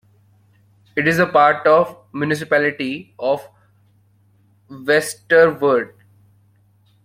It is a part of the municipality of Westerveld.